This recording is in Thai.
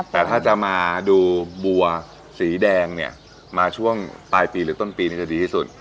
แต่ถ้าจะมาดูบัวสีแดงเนี่ยมาช่วงปลายปีหรือต้นปีนี้จะดีที่สุด